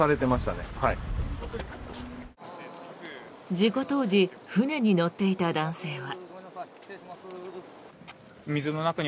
事故当時船に乗っていた男性は。